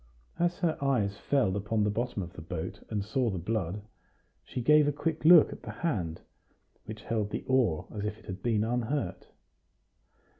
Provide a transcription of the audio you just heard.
As her eyes fell upon the bottom of the boat, and saw the blood, she gave a quick look at the hand, which held the oar as if it had been unhurt.